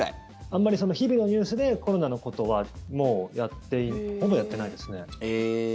あんまり日々のニュースでコロナのことはもうほぼやっていないですね。